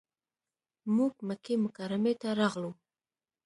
موږ مکې مکرمې ته راغلو.